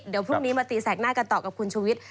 เดี๋ยวพรุ่งนี้มาตีแสกหน้ากันต่อกับคุณชุวิต